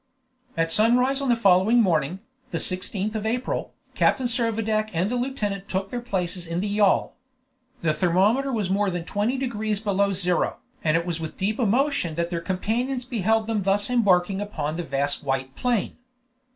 At sunrise on the following morning, the 16th of April, Captain Servadac and the lieutenant took their places in the yawl. The thermometer was more than 20 degrees below zero, and it was with deep emotion that their companions beheld them thus embarking upon the vast white plain.